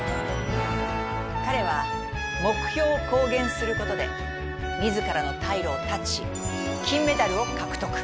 彼は目標を公言する事で自らの退路を断ち金メダルを獲得。